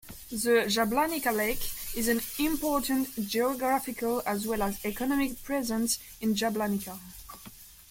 The Jablanica lake is an important geographical as well as economic presence in Jablanica.